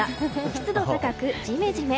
湿度高くジメジメ。